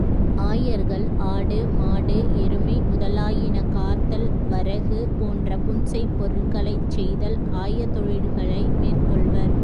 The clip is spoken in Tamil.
ஆயர்கள் ஆடு, மாடு, எருமை முதலாயின காத்தல், வரகு போன்ற புன்செய்ப் பொருள்களைச் செய்தல் ஆய தொழில்களை மேற்கொள்வர்.